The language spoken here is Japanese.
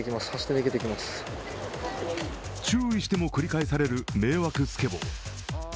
注意しても繰り返される迷惑スケボー。